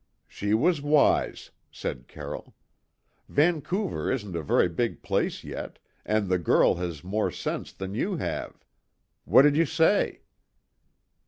"She was wise," said Carroll. "Vancouver isn't a very big place yet, and the girl has more sense than you have. What did you say?"